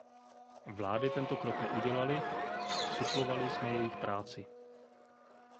Vlády tento krok neudělaly; suplovali jsme jejich práci.